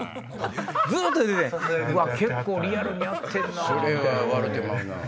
結構リアルにやってんなぁ。